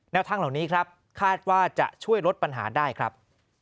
ทางเหล่านี้ครับคาดว่าจะช่วยลดปัญหาได้ครับ